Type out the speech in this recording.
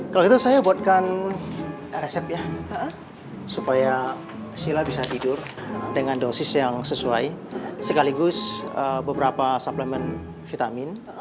kalau gitu saya buatkan resep ya supaya sila bisa tidur dengan dosis yang sesuai sekaligus beberapa suplemen vitamin